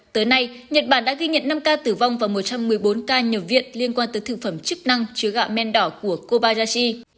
tới nay nhật bản đã ghi nhận năm ca tử vong và một trăm một mươi bốn ca nhập viện liên quan tới thực phẩm chức năng chứa gạo men đỏ của kobayashi